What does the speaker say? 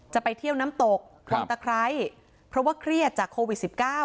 จะไปเที่ยวน้ำตกวังตะไคร้เพราะว่าเครียดจากโควิด๑๙